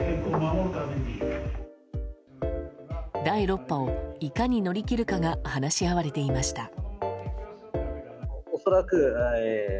第６波をいかに乗り切るかが話し合われていました。